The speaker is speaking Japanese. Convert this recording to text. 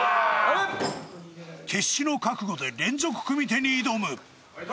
決死の覚悟で連続組手に挑む・ファイト！